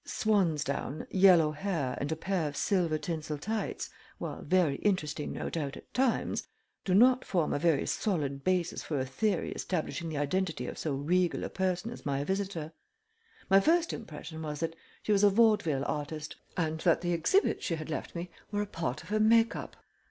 Swan's down, yellow hair, and a pair of silver tinsel tights, while very interesting no doubt at times, do not form a very solid basis for a theory establishing the identity of so regal a person as my visitor. My first impression was that she was a vaudeville artist, and that the exhibits she had left me were a part of her make up.